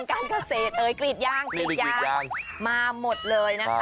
กองเชียร์เลยแหละสนุกมากจริง